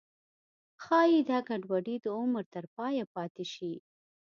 ښایي دا ګډوډي د عمر تر پایه پاتې شي.